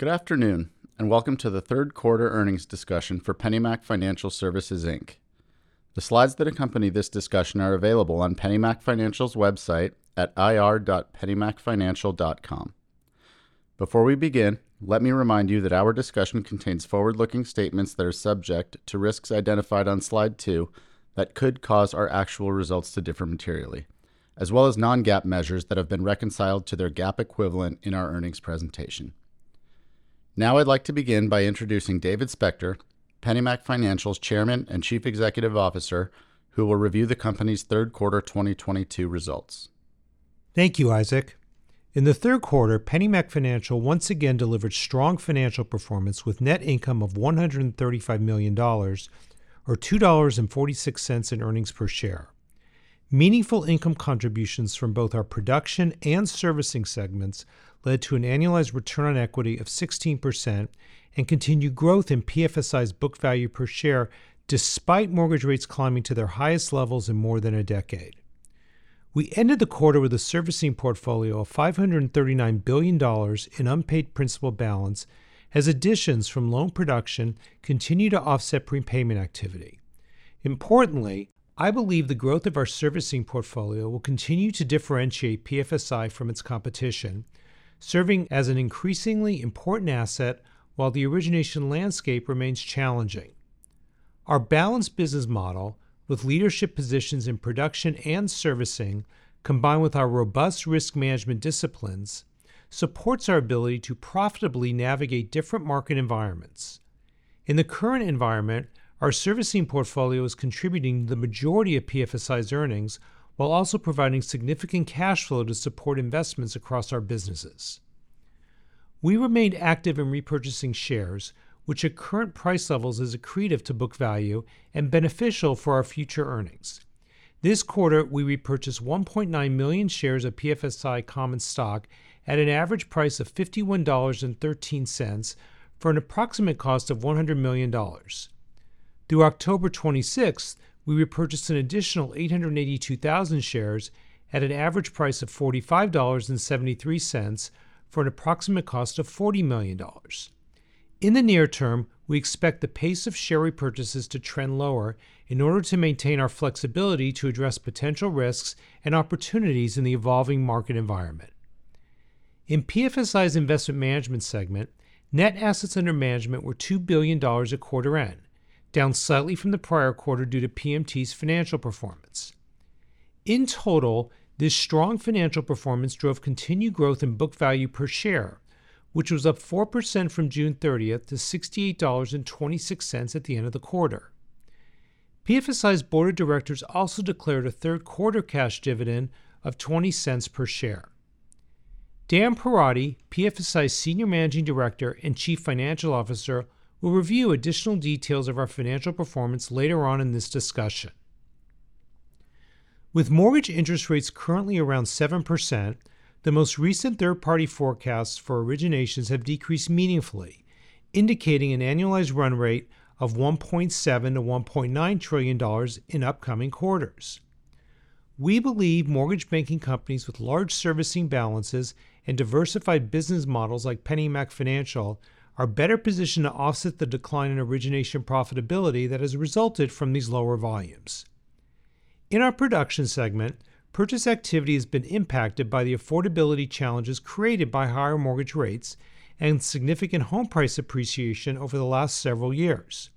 Good afternoon, and welcome to the Third Quarter Earnings Discussion for PennyMac Financial Services, Inc. The slides that accompany this discussion are available on PennyMac Financial's website at ir.pennymacfinancial.com. Before we begin, let me remind you that our discussion contains forward-looking statements that are subject to risks identified on slide two that could cause our actual results to differ materially, as well as Non-GAAP measures that have been reconciled to their GAAP equivalent in our earnings presentation. Now I'd like to begin by introducing David Spector, PennyMac Financial's Chairman and Chief Executive Officer, who will review the company's third quarter 2022 results. Thank you, Isaac. In the Q3, PennyMac Financial once again delivered strong financial performance with net income of $135 million or $2.46 in earnings per share. Meaningful income contributions from both our production and servicing segments led to an annualized return on equity of 16% and continued growth in PFSI's book value per share despite mortgage rates climbing to their highest levels in more than a decade. We ended the quarter with a servicing portfolio of $539 billion in unpaid principal balance as additions from loan production continue to offset prepayment activity. Importantly, I believe the growth of our servicing portfolio will continue to differentiate PFSI from its competition, serving as an increasingly important asset while the origination landscape remains challenging. Our balanced business model with leadership positions in production and servicing, combined with our robust risk management disciplines, supports our ability to profitably navigate different market environments. In the current environment, our servicing portfolio is contributing the majority of PFSI's earnings while also providing significant cash flow to support investments across our businesses. We remained active in repurchasing shares, which at current price levels is accretive to book value and beneficial for our future earnings. This quarter, we repurchased 1.9 million shares of PFSI common stock at an average price of $51.13 for an approximate cost of $100 million. Through October 26th, we repurchased an additional 882,000 shares at an average price of $45.73 for an approximate cost of $40 million. In the near term, we expect the pace of share repurchases to trend lower in order to maintain our flexibility to address potential risks and opportunities in the evolving market environment. In PFSI's investment management segment, net assets under management were $2 billion at quarter end, down slightly from the prior quarter due to PMT's financial performance. In total, this strong financial performance drove continued growth in book value per share, which was up 4% from June 30th to $68.26 at the end of the quarter. PFSI's Board of Directors also declared a third quarter cash dividend of $0.20 per share. Dan Perotti, PFSI's Senior Managing Director and Chief Financial Officer, will review additional details of our financial performance later on in this discussion. With mortgage interest rates currently around 7%, the most recent third-party forecasts for originations have decreased meaningfully, indicating an annualized run rate of $1.7 trillion - $1.9 trillion in upcoming quarters. We believe mortgage banking companies with large servicing balances and diversified business models like PennyMac Financial are better positioned to offset the decline in origination profitability that has resulted from these lower volumes. In our production segment, purchase activity has been impacted by the affordability challenges created by higher mortgage rates and significant home price appreciation over the last several years.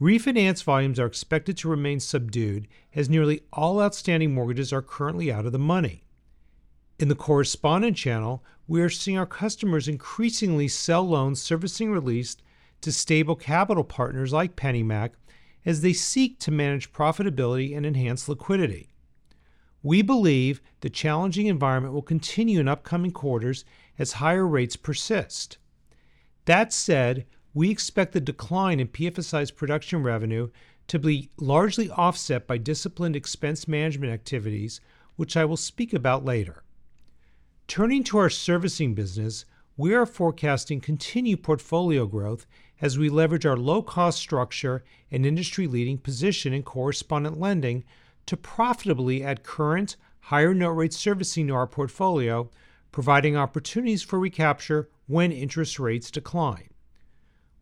Refinance volumes are expected to remain subdued as nearly all outstanding mortgages are currently out of the money. In the correspondent channel, we are seeing our customers increasingly sell loans servicing released to stable capital partners like PennyMac as they seek to manage profitability and enhance liquidity. We believe the challenging environment will continue in upcoming quarters as higher rates persist. That said, we expect the decline in PFSI's production revenue to be largely offset by disciplined expense management activities, which I will speak about later. Turning to our servicing business, we are forecasting continued portfolio growth as we leverage our low cost structure and industry-leading position in correspondent lending to profitably add current higher note rate servicing to our portfolio, providing opportunities for recapture when interest rates decline.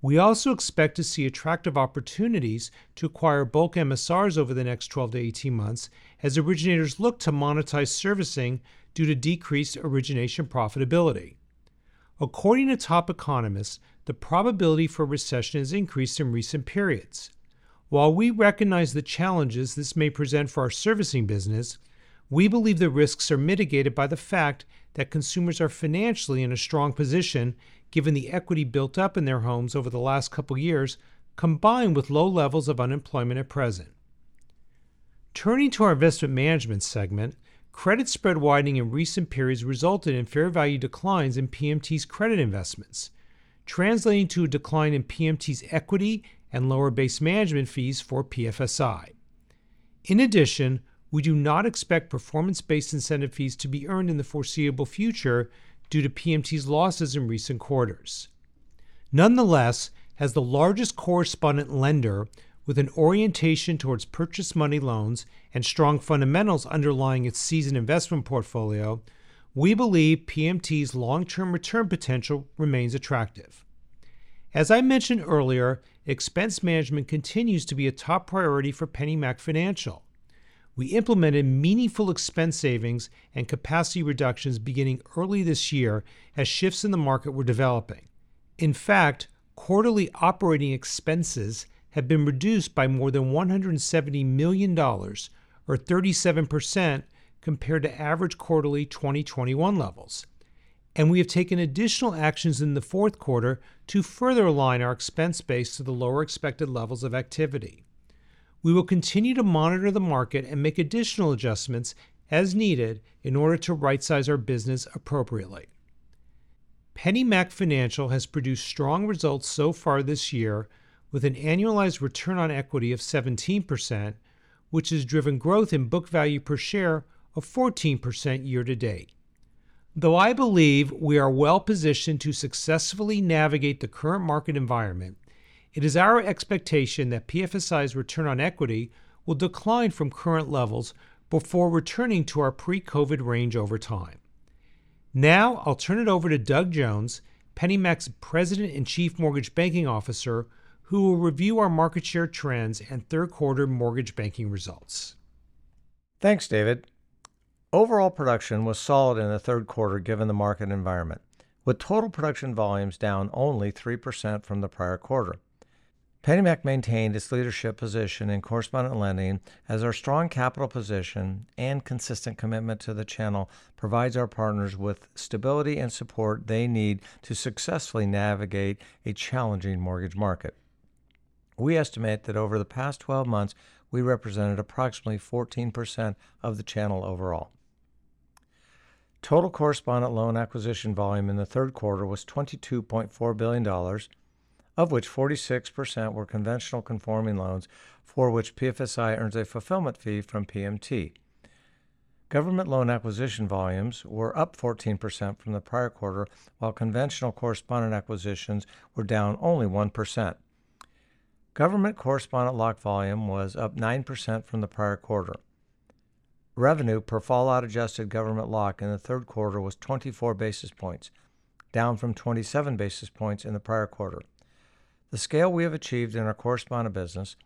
We also expect to see attractive opportunities to acquire bulk MSRs over the next 12 - 18 months as originators look to monetize servicing due to decreased origination profitability. According to top economists, the probability for recession has increased in recent periods. While we recognize the challenges this may present for our servicing business, we believe the risks are mitigated by the fact that consumers are financially in a strong position given the equity built up in their homes over the last couple years, combined with low levels of unemployment at present. Turning to our investment management segment, credit spread widening in recent periods resulted in fair value declines in PMT's credit investments, translating to a decline in PMT's equity and lower base management fees for PFSI. In addition, we do not expect performance-based incentive fees to be earned in the foreseeable future due to PMT's losses in recent quarters. Nonetheless, as the largest correspondent lender with an orientation towards purchase money loans and strong fundamentals underlying its seasoned investment portfolio, we believe PMT's long-term return potential remains attractive. As I mentioned earlier, expense management continues to be a top priority for PennyMac Financial. We implemented meaningful expense savings and capacity reductions beginning early this year as shifts in the market were developing. In fact, quarterly operating expenses have been reduced by more than $170 million, or 37%, compared to average quarterly 2021 levels. We have taken additional actions in the fourth quarter to further align our expense base to the lower expected levels of activity. We will continue to monitor the market and make additional adjustments as needed in order to right-size our business appropriately. PennyMac Financial has produced strong results so far this year with an annualized return on equity of 17%, which has driven growth in book value per share of 14% year to date. Though I believe we are well positioned to successfully navigate the current market environment, it is our expectation that PFSI's return on equity will decline from current levels before returning to our pre-COVID range over time. Now I'll turn it over to Doug Jones, PennyMac's President and Chief Mortgage Banking Officer, who will review our market share trends and Q3 mortgage banking results. Thanks, David. Overall production was solid in the Q3 given the market environment, with total production volumes down only 3% from the prior quarter. PennyMac maintained its leadership position in correspondent lending as our strong capital position and consistent commitment to the channel provides our partners with stability and support they need to successfully navigate a challenging mortgage market. We estimate that over the past 12 months, we represented approximately 14% of the channel overall. Total correspondent loan acquisition volume in the third quarter was $22.4 billion, of which 46% were conventional conforming loans for which PFSI earns a fulfillment fee from PMT. Government loan acquisition volumes were up 14% from the prior quarter, while conventional correspondent acquisitions were down only 1%. Government correspondent lock volume was up 9% from the prior quarter. Revenue per fallout adjusted government lock in the third quarter was 24 basis points, down from 27 basis points in the prior quarter. The scale we have achieved in our correspondent business,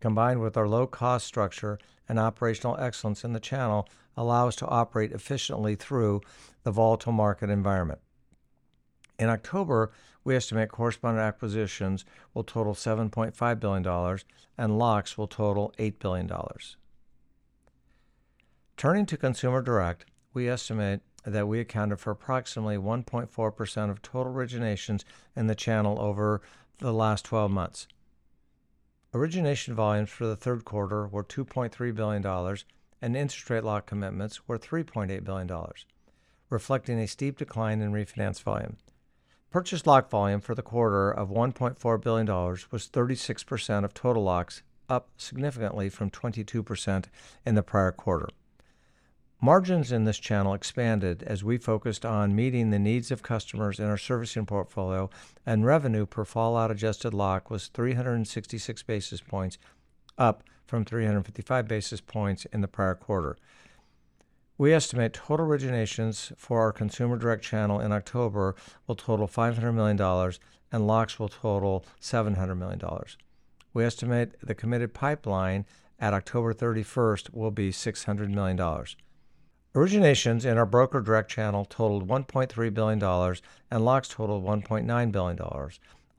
combined with our low cost structure and operational excellence in the channel, allow us to operate efficiently through the volatile market environment. In October, we estimate correspondent acquisitions will total $7.5 billion and locks will total $8 billion. Turning to consumer direct, we estimate that we accounted for approximately 1.4% of total originations in the channel over the last twelve months. Origination volumes for the third quarter were $2.3 billion, and interest rate lock commitments were $3.8 billion, reflecting a steep decline in refinance volume. Purchase lock volume for the quarter of $1.4 billion was 36% of total locks, up significantly from 22% in the prior quarter. Margins in this channel expanded as we focused on meeting the needs of customers in our servicing portfolio, and revenue per fallout adjusted lock was 366 basis points, up from 355 basis points in the prior quarter. We estimate total originations for our consumer direct channel in October will total $500 million, and locks will total $700 million. We estimate the committed pipeline at October 31st will be $600 million. Originations in our broker direct channel totaled $1.3 billion, and locks totaled $1.9 billion,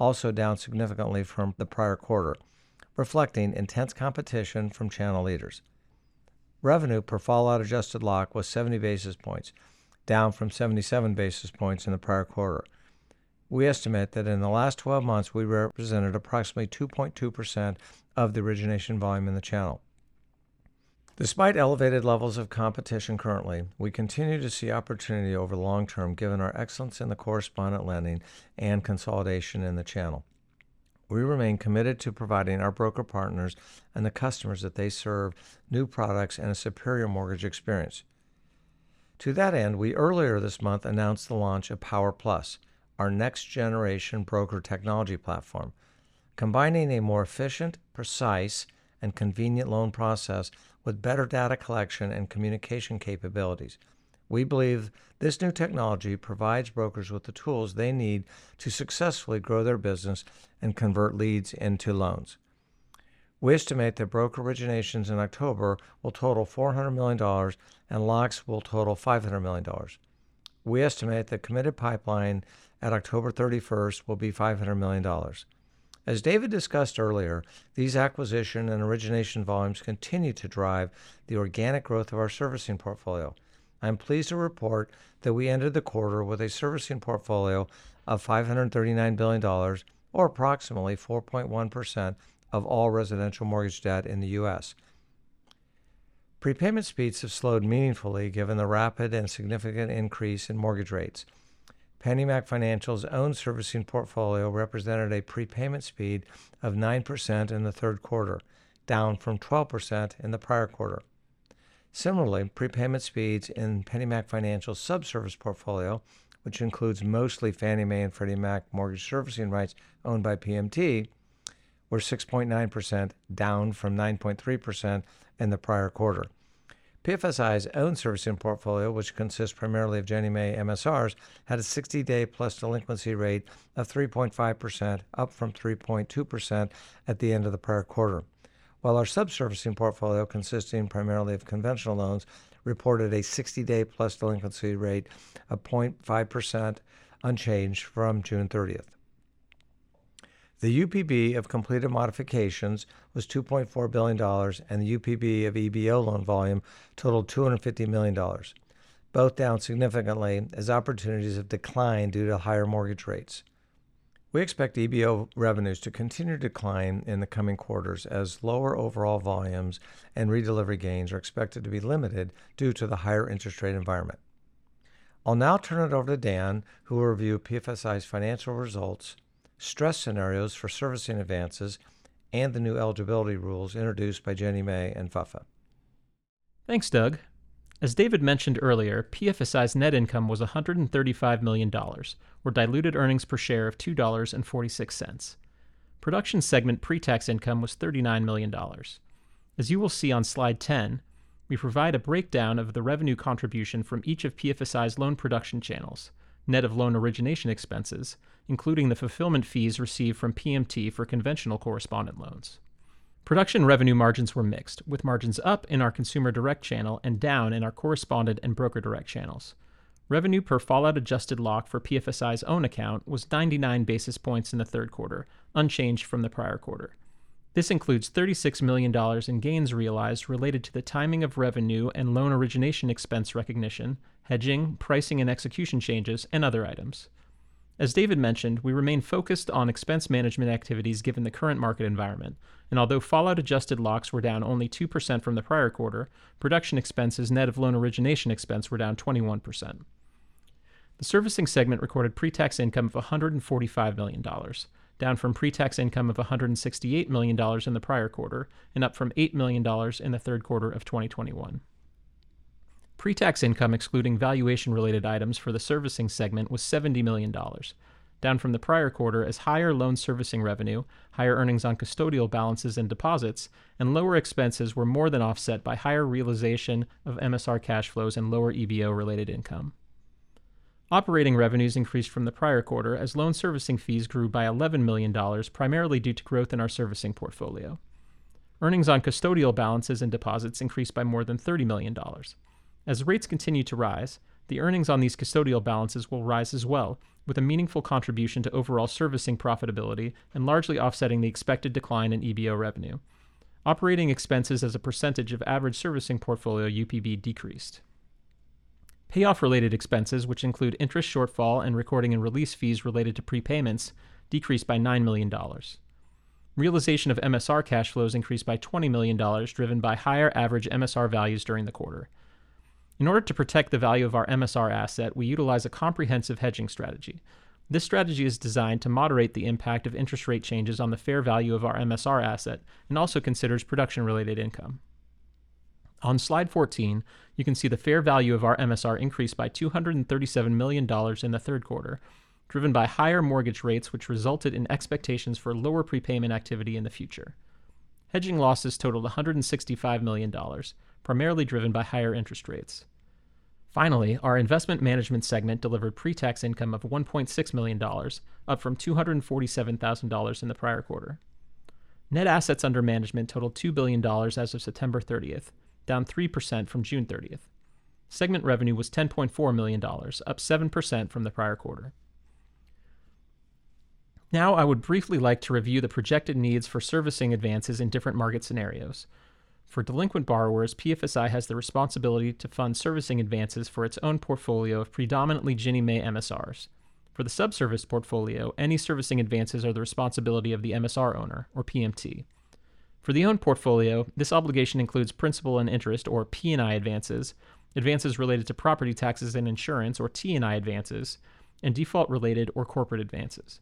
also down significantly from the prior quarter, reflecting intense competition from channel leaders. Revenue per fallout adjusted lock was 70 basis points, down from 77 basis points in the prior quarter. We estimate that in the last 12 months, we represented approximately 2.2% of the origination volume in the channel. Despite elevated levels of competition currently, we continue to see opportunity over the long term given our excellence in the correspondent lending and consolidation in the channel. We remain committed to providing our broker partners and the customers that they serve new products and a superior mortgage experience. To that end, we earlier this month announced the launch of POWER+, our next generation broker technology platform. Combining a more efficient, precise, and convenient loan process with better data collection and communication capabilities, we believe this new technology provides brokers with the tools they need to successfully grow their business and convert leads into loans. We estimate that broker originations in October will total $400 million, and locks will total $500 million. We estimate the committed pipeline at October 31st will be $500 million. As David discussed earlier, these acquisition and origination volumes continue to drive the organic growth of our servicing portfolio. I am pleased to report that we ended the quarter with a servicing portfolio of $539 billion, or approximately 4.1% of all residential mortgage debt in the U.S. Prepayment speeds have slowed meaningfully given the rapid and significant increase in mortgage rates. PennyMac Financial's own servicing portfolio represented a prepayment speed of 9% in the Q3, down from 12% in the prior quarter. Similarly, prepayment speeds in PennyMac Financial subservicing portfolio, which includes mostly Fannie Mae and Freddie Mac mortgage servicing rights owned by PMT, were 6.9%, down from 9.3% in the prior quarter. PFSI's own servicing portfolio, which consists primarily of Ginnie Mae MSRs, had a 60-day-plus delinquency rate of 3.5%, up from 3.2% at the end of the prior quarter. While our subservicing portfolio, consisting primarily of conventional loans, reported a 60-day-plus delinquency rate of 0.5%, unchanged from June 30. The UPB of completed modifications was $2.4 billion, and the UPB of EBO loan volume totaled $250 million, both down significantly as opportunities have declined due to higher mortgage rates. We expect EBO revenues to continue to decline in the coming quarters as lower overall volumes and redelivery gains are expected to be limited due to the higher interest rate environment. I'll now turn it over to Dan, who will review PFSI's Financial Results, stress scenarios for servicing advances, and the new eligibility rules introduced by Ginnie Mae and FHFA. Thanks, Doug. As David mentioned earlier, PFSI's net income was $135 million or diluted - earnings - per share of $2.46. Production segment pre-tax income was $39 million. As you will see on slide 10, we provide a breakdown of the revenue contribution from each of PFSI's loan production channels, net of loan origination expenses, including the fulfillment fees received from PMT for conventional correspondent loans. Production revenue margins were mixed, with margins up in our consumer direct channel and down in our correspondent and broker direct channels. Revenue per fallout adjusted lock for PFSI's own account was 99 basis points in the Q3, unchanged from the prior quarter. This includes $36 million in gains realized related to the timing of revenue and loan origination expense recognition, hedging, pricing and execution changes, and other items. As David mentioned, we remain focused on expense management activities given the current market environment. Although fallout adjusted locks were down only 2% from the prior quarter, production expenses net of loan origination expense were down 21%. The servicing segment recorded pre-tax income of $145 million, down from pre-tax income of $168 million in the prior quarter and up from $8 million in the third quarter of 2021. Pre-tax income excluding valuation-related items for the servicing segment was $70 million, down from the prior quarter as higher loan servicing revenue, higher earnings on custodial balances and deposits, and lower expenses were more than offset by higher realization of MSR cash flows and lower EBO-related income. Operating revenues increased from the prior quarter as loan servicing fees grew by $11 million, primarily due to growth in our servicing portfolio. Earnings on custodial balances and deposits increased by more than $30 million. As rates continue to rise, the earnings on these custodial balances will rise as well, with a meaningful contribution to overall servicing profitability and largely offsetting the expected decline in EBO revenue. Operating expenses as a percentage of average servicing portfolio UPB decreased. Payoff-related expenses, which include interest shortfall and recording and release fees related to prepayments, decreased by $9 million. Realization of MSR cash flows increased by $20 million, driven by higher average MSR values during the quarter. In order to protect the value of our MSR asset, we utilize a comprehensive hedging strategy. This strategy is designed to moderate the impact of interest rate changes on the fair value of our MSR asset and also considers production-related income. On slide 14, you can see the fair value of our MSR increased by $237 million in the third quarter, driven by higher mortgage rates, which resulted in expectations for lower prepayment activity in the future. Hedging losses totaled $165 million, primarily driven by higher interest rates. Finally, our investment management segment delivered pre-tax income of $1.6 million, up from $247 thousand in the prior quarter. Net assets under management totaled $2 billion as of September 30th, down 3% from June 30th. Segment revenue was $10.4 million, up 7% from the prior quarter. Now, I would briefly like to review the projected needs for servicing advances in different market scenarios. For delinquent borrowers, PFSI has the responsibility to fund servicing advances for its own portfolio of predominantly Ginnie Mae MSRs. For the subservice portfolio, any servicing advances are the responsibility of the MSR owner or PMT. For the own portfolio, this obligation includes principal and interest or P&I advances related to property taxes and insurance or T&I advances, and default-related or corporate advances.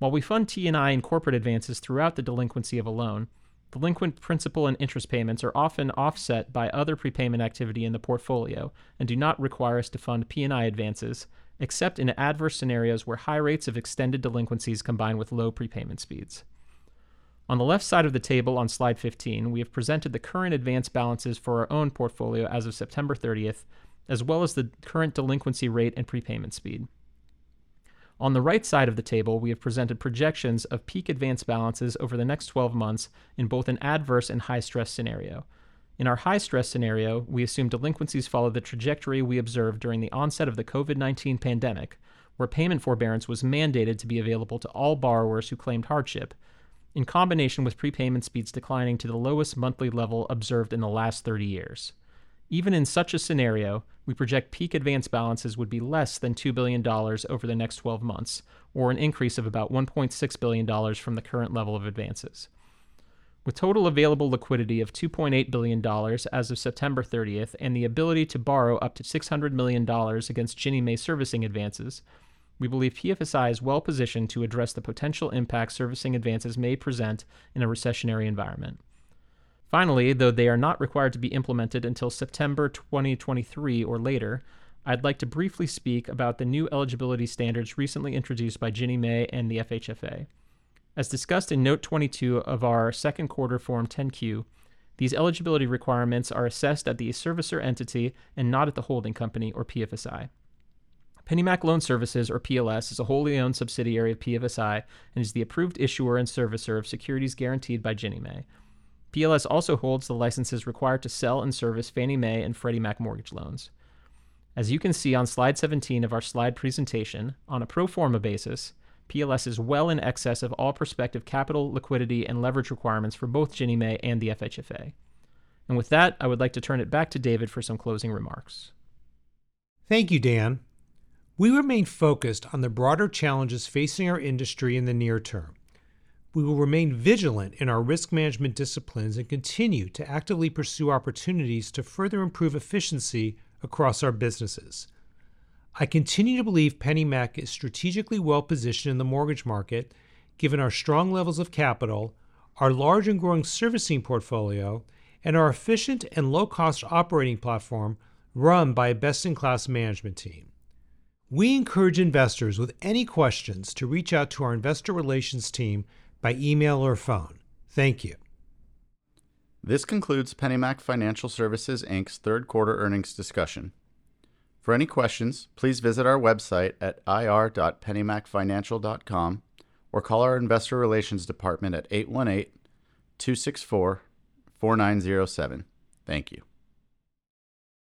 While we fund T&I and corporate advances throughout the delinquency of a loan, delinquent principal and interest payments are often offset by other prepayment activity in the portfolio and do not require us to fund P&I advances except in adverse scenarios where high rates of extended delinquencies combine with low prepayment speeds. On the left side of the table on slide 15, we have presented the current advance balances for our own portfolio as of September 30, as well as the current delinquency rate and prepayment speed. On the right side of the table, we have presented projections of peak advance balances over the next 12 months in both an adverse and high-stress scenario. In our high-stress scenario, we assume delinquencies follow the trajectory we observed during the onset of the COVID-19 pandemic, where payment forbearance was mandated to be available to all borrowers who claimed hardship in combination with prepayment speeds declining to the lowest monthly level observed in the last 30 years. Even in such a scenario, we project peak advance balances would be less than $2 billion over the next 12 months, or an increase of about $1.6 billion from the current level of advances. With total available liquidity of $2.8 billion as of September 30 and the ability to borrow up to $600 million against Ginnie Mae servicing advances, we believe PFSI is well-positioned to address the potential impact servicing advances may present in a recessionary environment. Finally, though they are not required to be implemented until September 2023 or later, I'd like to briefly speak about the new eligibility standards recently introduced by Ginnie Mae and the FHFA. As discussed in note 22 of our Q2 Form 10-Q, these eligibility requirements are assessed at the servicer entity and not at the holding company or PFSI. PennyMac Loan Services or PLS is a wholly owned subsidiary of PFSI and is the approved issuer and servicer of securities guaranteed by Ginnie Mae. PLS also holds the licenses required to sell and service Fannie Mae and Freddie Mac mortgage loans. As you can see on slide 17 of our slide presentation, on a pro forma basis, PLS is well in excess of all prospective capital liquidity and leverage requirements for both Ginnie Mae and the FHFA. With that, I would like to turn it back to David for some closing remarks. Thank you, Dan. We remain focused on the broader challenges facing our industry in the near term. We will remain vigilant in our risk management disciplines and continue to actively pursue opportunities to further improve efficiency across our businesses. I continue to believe PennyMac is strategically well positioned in the mortgage market given our strong levels of capital, our large and growing servicing portfolio, and our efficient and low-cost operating platform run by a best-in-class management team. We encourage investors with any questions to reach out to our investor relations team by email or phone. Thank you. This concludes PennyMac Financial Services, Inc.'s Q3 Earnings discussion. For any questions, please visit our website at ir.pennymacfinancial.com or call our investor relations department at 818-264-4907. Thank you.